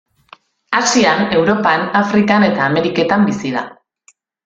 Asian, Europan, Afrikan eta Ameriketan bizi da.